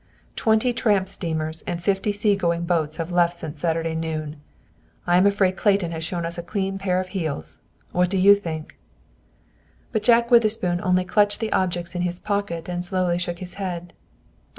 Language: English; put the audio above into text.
"Twenty tramp steamers and fifty sea going boats have left since Saturday noon. I am afraid Clayton has shown us a clean pair of heels. What do you think?" But Jack Witherspoon only clutched the objects in his pocket, and slowly shook his head.